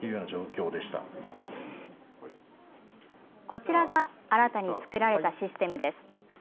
こちらが新たに作られたシステムです。